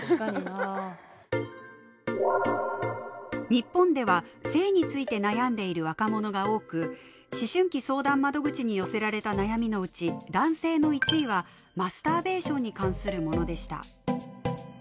日本では性について悩んでいる若者が多く思春期相談窓口に寄せられた悩みのうち男性の１位はマスターベーションに関するものでした。